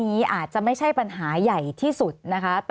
สวัสดีครับทุกคน